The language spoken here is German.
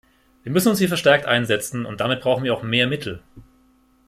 Wir müssen uns hier verstärkt einsetzen, und damit brauchen wir auch mehr Mittel.